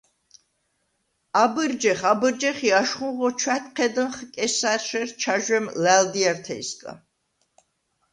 აბჷრჯეხ, აბჷრჯეხ ი აშხუნღო ჩვა̈თჴედჷნხ კესა̈რშერ ჩაჟვემ ლა̈ლდიართეჲსგა.